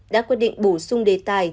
đã quyết định bổ sung đề tài